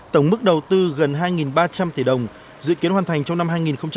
tổng mức đầu tư gần hai ba trăm linh tỷ đồng dự kiến hoàn thành trong năm hai nghìn hai mươi